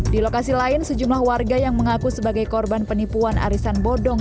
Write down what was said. di lokasi lain sejumlah warga yang mengaku sebagai korban penipuan arisan bodong